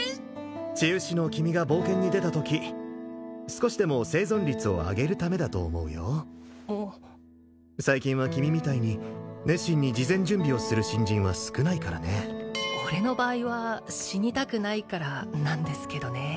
治癒士の君が冒険に出たとき少しでも生存率を上げるためだと思うよ最近は君みたいに熱心に事前準備をする新人は少ないからね俺の場合は死にたくないからなんですけどね